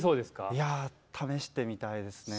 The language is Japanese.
いや試してみたいですね。